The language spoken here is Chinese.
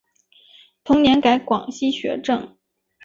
同年改广西学政。